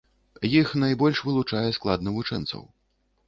Іх найбольш вылучае склад навучэнцаў.